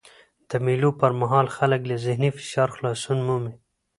د مېلو پر مهال خلک له ذهني فشار خلاصون مومي.